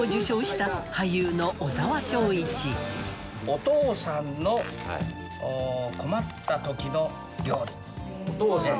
お父さんの困った時の料理。